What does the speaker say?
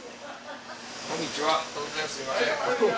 こんにちは。